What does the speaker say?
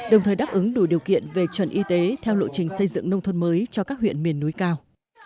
đồng thời đáp ứng đủ điều kiện về chuẩn y tế theo lộ trình xây dựng nông thôn mới cho các huyện miền núi cao